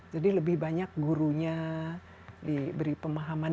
jadi lebih banyak gurunya diberi pemahaman